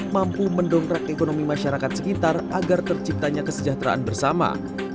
mampu mendongkrak ekonomi masyarakat sekitar agar terciptanya kesejahteraan bersama